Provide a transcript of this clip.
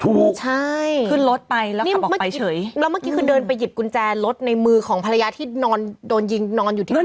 ถูกใช่ขึ้นรถไปแล้วขับออกไปเฉยแล้วเมื่อกี้คือเดินไปหยิบกุญแจรถในมือของภรรยาที่นอนโดนยิงนอนอยู่ที่พื้น